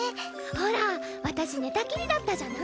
ほら私寝たきりだったじゃない？